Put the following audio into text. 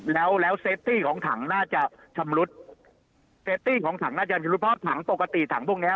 แล้วแล้วของถังน่าจะชำรุดของถังน่าจะถังปกติถังพวกเนี้ย